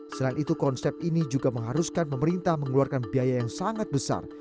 selain itu konsep ini juga mengharuskan pemerintah mengeluarkan biaya yang sangat besar